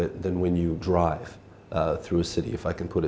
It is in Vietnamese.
nguyên liệu đặc biệt